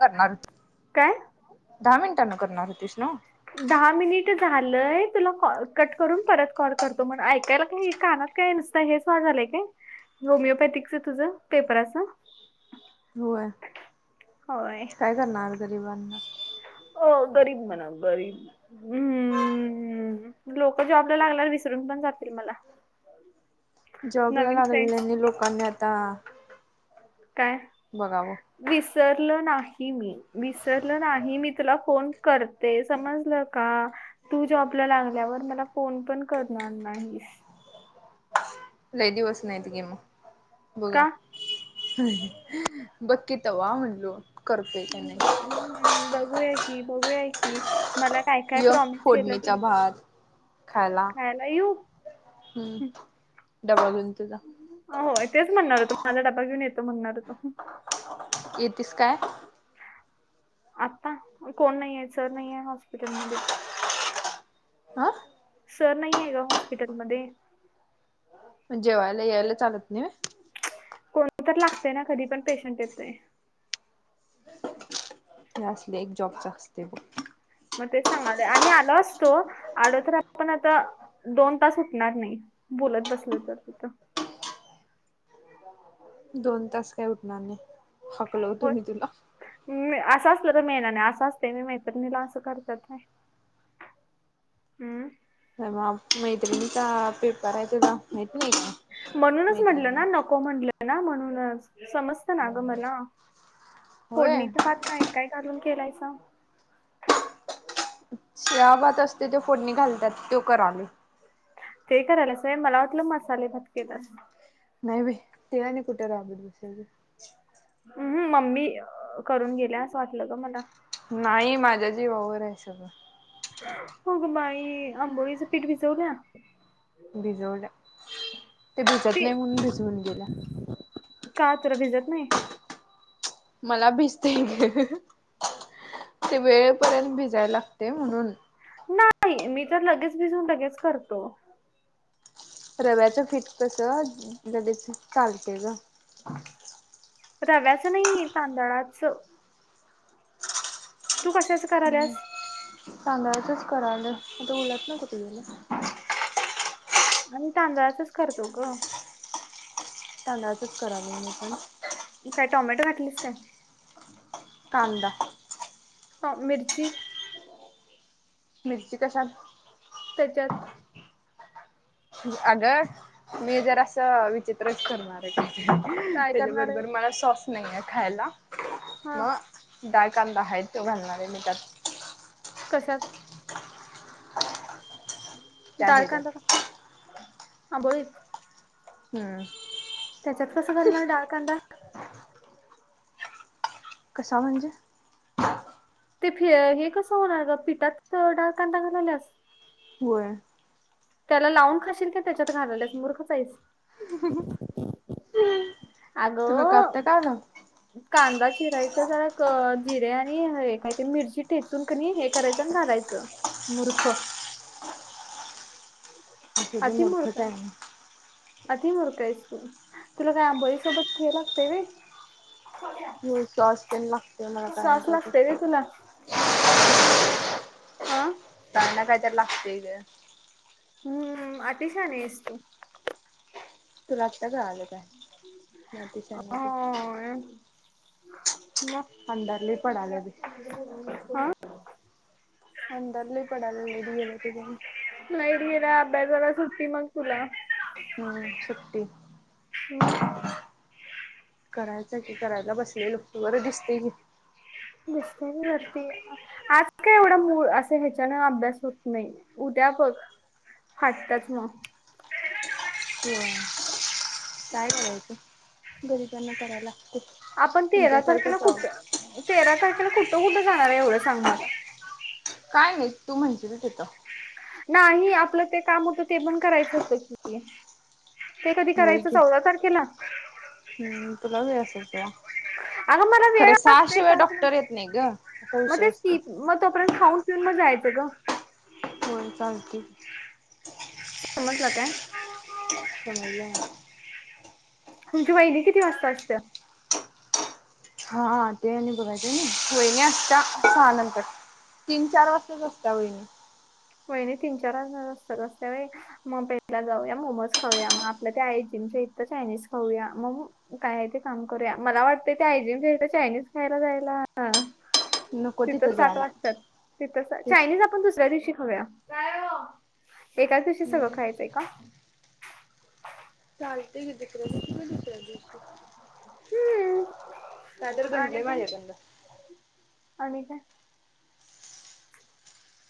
करणार काय दहा मिनिटानं करणार होतीस ना? दहा मिनिट झालंय तुला कॉ कट करून परत कॉल करतो म्हण ऐकायला नाही काना काय नुसतं हेच मागवलंय काय होमिओपॅथिकच तुझं पेपर असं. होय काय करणार गरीबांना? ओ गरीब म्हणा गरीब हम् हम्मम लोक जॉबला लागल्यावर विसरून पण जातील मला. [unintelligible] जॉबला नवीन फ्रेंड्स लागलेल्यांनी लोकांनी आता काय. बघावं. विसरलं नाही मी, विसरलं नाही मी तुला फोन करते समजल का तू जॉबला लागल्यावर मला फोन पण करणार नाहीस. लय दिवस नाहीत घे मग बघूया. का बघ की तवा म्हणलो करते का हम्म, नाही. हम्म बघूया की बघूया की. मला काय काय य प्रॉमिस केल्यास फोडणीचा तू भात खायला खयला येऊ. हम्म डबलन तुझा. हो तेच म्हणणार होतो माझा डबा घेऊन येतो म्हणणार होतो. येतीस काय. आता कोण नाही आहे सर नाही आहे हॉस्पिटलमध्ये. आं. सर नाहीये ग हॉस्पिटलमध्ये. जेवायला यायला चालत नाही होय. कोणी तर लागते ना कधी पण पेशंट येते. हे असले एक जॉबच असते ब. मग ते सांगालो आणि आलो असतो आलो तर आपण आता दोन तास उटणार नाही बोलत बसलं तर तिथं. दोन तास काय उठणार नाही हकलव होतो होय मी तुला. असं असलं तर मी येणार नाही असं असत व्हय मैत्रिणीला असं करतात व्हय. हम्म. तर मग मैत्रिणीचा पेपर आहे तुला माहित नाही का मैत्रिणी क म्हटलं ना म्हणूनच समजत ना ग मला होय फोडणीच भात काय काय घालून केलायसा. शिळा भात असतो त्यो फोडणी घालतात त्यो करालोय. ते करा आल्यास होय मला वाटलं मसाले भात केल्यास. नाही बाई ते आणि कुठे राहबत बसायच. हम्मम मम्मी करून गेल्या असं वाटलं ग मला. नाही माझ्या जी वावर आहे सगळं. हो गं बाई आंबोळीचं पीठ भिजवल्या. भिजवल्या ते भिजत नाही म्हणून भिजवून गेल्या. का तर भिजत नाही. मला भिजते ते वेळेपर्यंत भिजायला लागते म्हणून. नाही मी तर लगेच भिजून लगेच करतो. रव्याचं फिट कसं लगेच चालते ग. रव्याचं नाही तांदळाच. कशाचं हम्म करायल्यास सांगायचंच कराल आता उलात्न कुठ गेलं. आम्ही तांदळाचच करतो ग. तांदळाचच करा आलोय मी पण. काय टमॅटो घातलीस काय. कांदा. मिर्ची. मिरची कशा. त्याच्यात. अगं मी जर असं विचित्रच करणार काय करणार आहे त्याच्याबरोबर मला सॉस नाही आहे खायला हा मग दडाळ कांदा आहे तो घालणार आहे मी त्यात कशत त्या ह्याच्यात दडाळकांदा का हा बोलित हम्म त्याच्यात कसं झालंणार डाळ कांदा कसा म्हंज ते फ हे कसं होणार ग पिठात डार्कां दागालाल्यास होय त्याला लावून खाशील का त्याच्यात घालाल्यास मूर्खाच आहेस आगो तुला का आत्ता कळालं कांदा चिरायचा जरा जिरे आणि हे काय ते मिरची ठेचून क करायचं आणि घालायचं मूर्ख. असं बी अति मळ मूर्खच का आहे मी अधी मर का आहेस तू तुला काय आबईसोबत घ लागते रे होय सॉस तेन लागते मला काय ना सास काय तर लागतय रे तुला हह ताना काहीतरी लागते ग हम्म अतिशान असस् तू लागता का आलं काय म तिच्या अं मग अंदरली पडालेवी हा अल्ली पडा इ गला त नाही मीरा अभ्यासाला सुट्टी मग ला हम्म सुट्टी ह करायचा की करायला बसलेलो बरं दिसते की दिसत वरती आज का एवढा मूळ असं ह्याच्यान अभ्यास होत नाही उद्या बघ फाटताच मग त काय करायचं गरीिबांना करायला लागत आपण तेरा तारखेला कुठ तेरा तारखेन कुठं कुठं जाणार आहे एवढं सांग मला काय नाही तू म्हणती तचेतं नाही ह आपलं ते काम होतं ते पण करायचं होतं क ते कधी होय करायचं की चौदा तारखेला हम्म तुला वळी असेल तो अग मला वेळ अस येत नाही ग असा मग विषय असतो ते मग तोपर्यंत खाऊन त म जायचं ग हो गलदी सांमटलं काय तरम तुमची बहिणी किती वाजता असते हा ते बघायच ना सय नाही असता सहा नंतर तीन चार वाजताच असता वहिणी महिने तीन चार हजार असतातस त्या व मग पेटला जाऊया मोमोज खाऊया मग आपल्या तेऐजी म्हच्या इथ चायनीज खाऊया मग काय आहे ते काम करूया मला वाटतंय ते आयजीम चायनीज खायला जायला नको तिथं सात जायला वाजताात तिथं तेच चायनीज आपण दुसऱ्या दिवशी खाऊया तेका तवशी सगळं हम्म खायचंय का चालते हे दसर क कि नाही दिसर दिशी हम्म काय तर आणि घंणलंय काय माझ्याकड आणि काय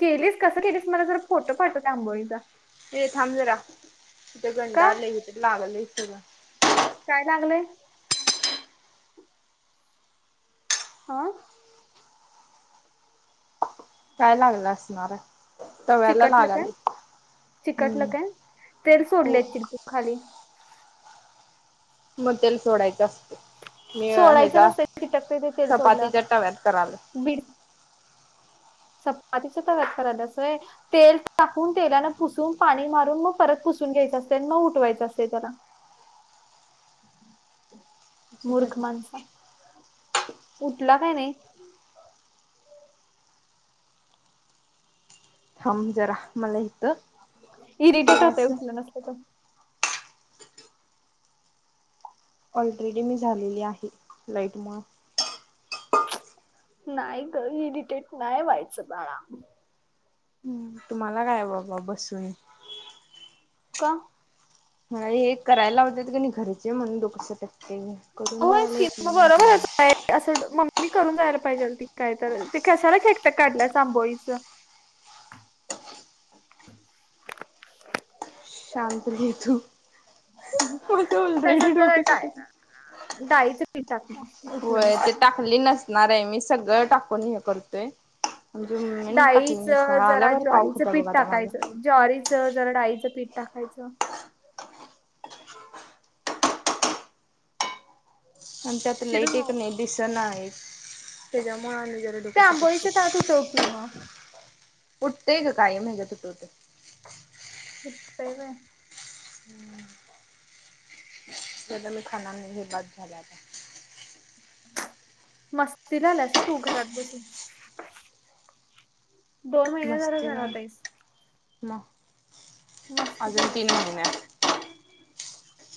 केलीस कसं केलीस मला जरा फोटो पाठव त्या आंबोळीचा. ये थांब जरा इथे का गंडालय इथं लागलंय सगळं. काय लागलंय? हा. काय लागलं असणार हाय. चिकटलं काय चिकटलं हम्म काय तेल हो सोडले चिंकू खाली. मं तेल सोडायचं असतं मी सोडायचं ह्याच्या नसतं चपातीच्या टव्यात करालोय. बिड. चपातीच्या तव्यात करालीयास होय. तेल टाकून तेलाने पुसून पाणी मारून मग परत पुसून घ्यायचं असतयं आणि मग उठवायचं असतयं त्याला. [inaudible] मूर्ख माणसा उठला काय नाही? म जरा मला येतं. इरिटेटता उठलं नसत का? ऑलरेडी मी झालेली आहे लाईट मुळं. नाही गं इडिटेट नाही व्हायचं बाळा. तुम्हाला काय बाबा बसून. का? मला हे करायला लावत्यात कणी घरचे म्हणून डोकं सटतय. करून होयच जायाला की येतं मग नाही होय बरोबरच हेंच. आहे असं मम्मी करून जायला पाहिजे होती काय तर ते कशाला खेकट काढल्यास आंबोळीच. [inaudible] शांत घे तू माझं ऑलरेडी डोकं सटकलय. डाळीच पिट टाक ना उठलं नसेल. करणार आहे मी सगळं टाकून हे करतोय. आमच्या मम्मीने टाकले डाळीचं जरा आल्यावर काव ज्वारीचं खात्या बघ पीठ आता माझा. टाकायचं ज्वारीचं जरा डाळीचं पीठ टाकायचं. आणि त्यात चिडू लाईट एक नाही नको दिसणा एक त्याच्यामुळे आणि जरा. डोकं त्या आंबोळीच्या सटकते तव्यात उठव की मग. उठतंय गं कायम हेच्यात उठवतोय. उठतंय व्हयं. हे आता मी खाणार नाही, हे बाद झालं आता. मस्तीला आलीयास तू घरात बसून. दोन महिने झालं मस्ती घरात नाही आहेस मग मस्तीला अजून आल्यास तीन महिने आहे.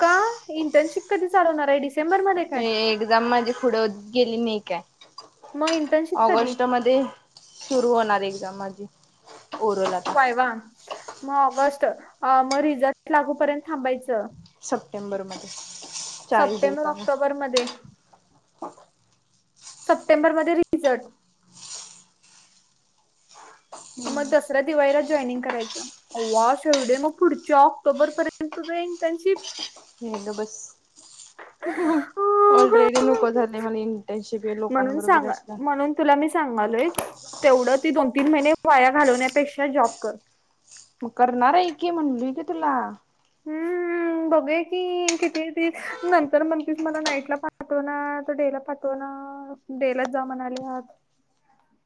का इंटर्नशिप कधी चालू होणार आहे डी एक्झाम माझी पुुढं गेली नाही काय. मग इंटर्नशिप कधी ऑगस्ट मध्ये सुरू होणार एक्झाम माझी ओरोला. व्हयवा मग ऑगस्ट म रिझल्ट. लागूपर्यंत थांबायचं सप्टेंबर मध्ये चाळीस सप्टेंबर दिवसानं ऑक्टोबर मध्ये सप्टेंबरमध्ये रिझल्ट मग दसऱ्या दिवाळीला जॉईनिंग करायचं आव्वा शिवडे मग पुढच्या ऑक्टोबर पर्यंत तुझा एंटरशिप ये गप्प बस ऑलरेडी नको झालंय मला इंटर्नशिप लोकांन म्हणून बरोबर सांगा असलं म्हणून तुला मी सांगालोय तेवढं ते दोन तीन महिने वाया घालवण्यापेक्षा जॉब कर मग करणार आहे की म्हणली की तुला हम्म बघूया की किती ते नंतर म्हणतीस मला नाईटला पाठवणार तो डेला पाठवणार डेलाच जा म्हणाले आज.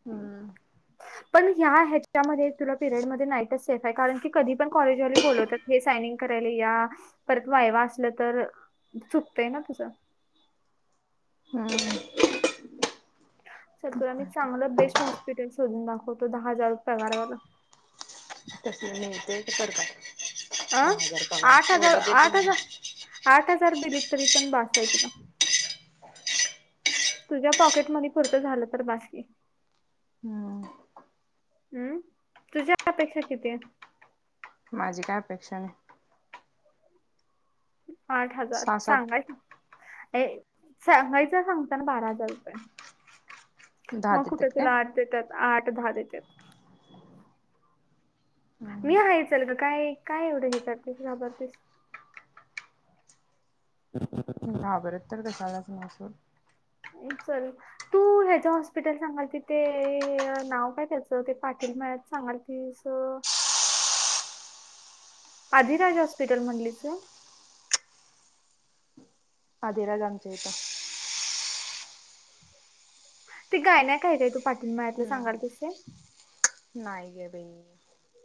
हम्म. पण ह्या ह्याच्यामध्ये तुला पिरियड मधे नाईटच सेफ आहे. कारण की कधी पण कॉलेजवाले बोलवत्यात हे सायनिंग करायला या. परत वायवा असल तर चुकतय ना तुझ. हम्म चल तुला मी चांगलं बेस्ट हॉस्पिटल शोधून दाखवतो. दहा हजार पगारवाला. तस मिळतय ते करताय. अ दहा हजार पगार आठ हजार एवढा देतील आठ का? हजार आठ हजार दिलीत तरी पण बास आहेत तुला. तुझ्या पॉकेट मनी पुुरत झाल तरी बासकी. हम्म हम्म तुझ्या अपेक्षा किती आहेत? माझी काय अपेक्षा नाही. आठ हजार सहा सात सांगायच, ये सांगायचं सांगातांना मग त्यांना बारा हजार रुपये. दहा मग कुठे देतात काय? तुला आठ देत्यात. आठ दहा देत्यात. मी हम्म आहे चल ग. काय काय एवढ हे करतेस घाबरतेस. [inaudible] घाबरत तर कशालाच नाय सोड. उचल तू ह्याच्या हॉस्पिटल सांगाल तिथे नाव काय त्याचं ते पाटील मळ्यात. सांगल प्लीज. आधिराज हॉस्पिटल म्हणलीस. अधिराज आमच्या इथ. ते गायनाक आहे ते तू पाटील मळ्यातल सांगायलीस ते. नाई गं बाई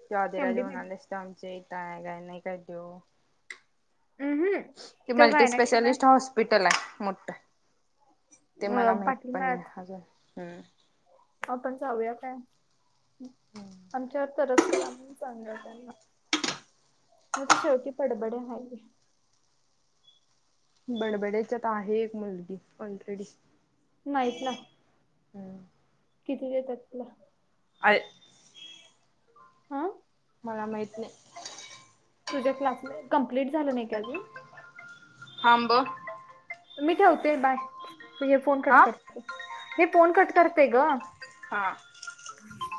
तु आदिराज एमडी मेड. म्हणालीस. आमच्या इथे गायन्याक आहे तो. उम्म हम्म ते तो गायनाक पण आहे मल्टीस्पेशालिस्ट हॉस्पिटल आहे मोठ. ते अ मला माहित पाटील पण नाही मॅथ अजून. हम्म आपण जाऊया काय. आमच्यावर तरस करा म सांग त्यांना. नाही तर शेवटी बडबडे आहे. बडबड्याच्यात आहे एक मुलगी ऑलरेडी. नाईटला. हम्म किती देतात तिला? [unintelligible] हा मला माहीत नाही. तुझ्या क्लासला कंप्लीट झाल नाही का अजून. थांब मी ठेवते बाय. हे फोन कट हा करते. हे फोन कट करते ग. हा [inaudible]